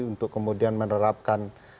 untuk kemudian menerapkan